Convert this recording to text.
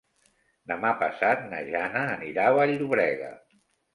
Demà passat na Jana anirà a Vall-llobrega.